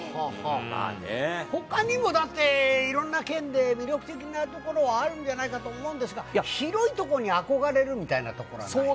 ほかにもだって、いろんな県で魅力的な所はあるんじゃないかと思うんですが、広い所に憧れるみたいなところはない？